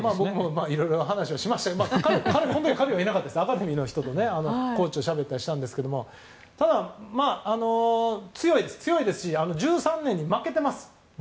僕もいろいろ話をしましたが彼がいなかったらアカデミーの人でコーチとしゃべったりしたんですけど強いですし１３年に実際負けてます。